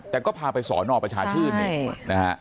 แต่ก็พาไปสอนอบประชาชื่น